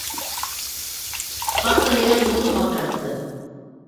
Хатта Ныязғолдо ҡалтыратты.